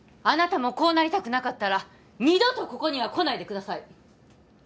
あなたもこうなりたくなかったら二度とここには来ないでください